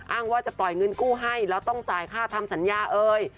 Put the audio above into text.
อ้างว่าจะปล่อยเงินกู้ให้แล้วต้องจ่ายค่าทำสัญญาเอ่ย